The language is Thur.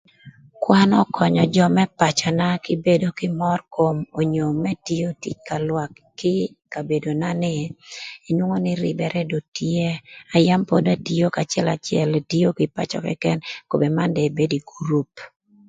Kwan ökönyö jö më pacöna kï bedo kï mör kom onyo më tio tic ka lwak kï kabedona ni nwongo nï rïbërë dong tye na yam pod etio k'acëlacël etio kï pacö këkën kobedini man dong ebedo ï gurup